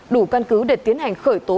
đủ căn cứ để tiến hành khởi tố